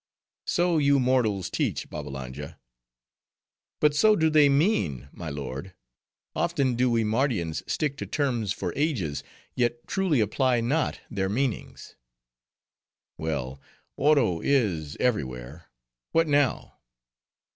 "So you mortals teach, Babbalanja." "But so do they mean, my lord. Often do we Mardians stick to terms for ages, yet truly apply not their meanings." "Well, Oro is every where. What now?"